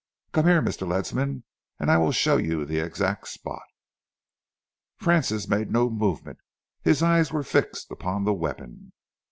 Come here, Mr. Ledsam, and I will show you the exact spot." Francis made no movement. His eyes were fixed upon the weapon.